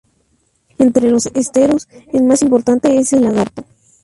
Entre los esteros, el más importante es el Lagarto.